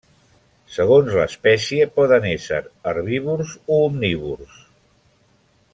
Segons l'espècie poden ésser herbívors o omnívors.